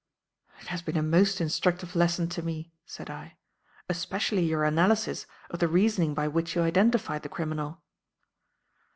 "It has been a most instructive lesson to me," said I; "especially your analysis of the reasoning by which you identified the criminal."